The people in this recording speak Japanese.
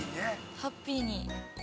ハッピーに。